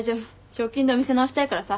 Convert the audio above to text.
賞金でお店直したいからさ。